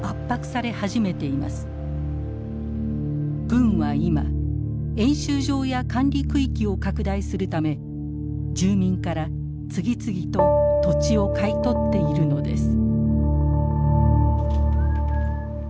軍は今演習場や管理区域を拡大するため住民から次々と土地を買い取っているのです。